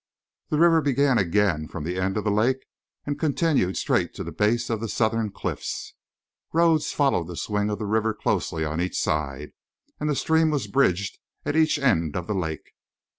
The river began again from the end of the lake and continued straight to the base of the southern cliffs. Roads followed the swing of the river closely on each side, and the stream was bridged at each end of the lake.